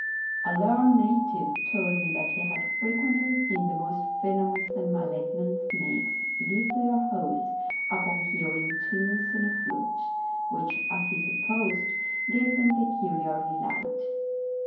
A learned native told me that he had frequently seen the most venomous and malignant snakes leave their holes upon hearing tunes on a flute, which, as he supposed, gave them peculiar delight.